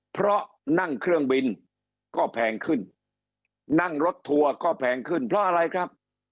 เพราะนั่งเครื่องบินก็แพงขึ้นนั่งรถทัวร์ก็แพงขึ้นเพราะอะไรครับ